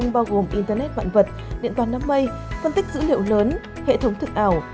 bao gồm internet vạn vật điện toàn nắm mây phân tích dữ liệu lớn hệ thống thực ảo